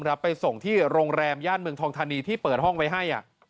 ไปส่งที่โรงแรมย่านเมืองทองธานีที่เปิดห้องไว้ให้